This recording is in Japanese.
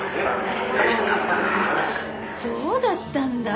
そうだったんだ！